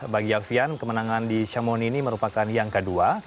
bagi alvian kemenangan di ciamon ini merupakan yang kedua